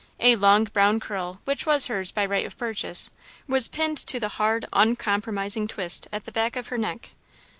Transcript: A long brown curl, which was hers by right of purchase, was pinned to the hard, uncompromising twist at the back of her neck.